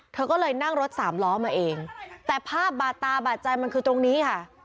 เธอก็เลยนั่งรถสามล้อมาเองแต่ภาพบาดตาบาดใจมันคือตรงนี้ค่ะ